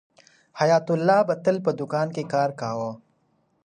حیات الله به تل په دوکان کې کار کاوه.